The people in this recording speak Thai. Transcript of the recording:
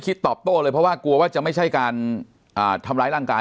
จริงผมไม่อยากสวนนะฮะเพราะถ้าผมสวนเนี่ยมันจะไม่ใช่เรื่องของการทำร้ายร่างกาย